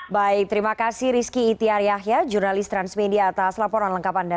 baik terima kasih rizky itiar yahya jurnalis transmedia atas laporan lengkap anda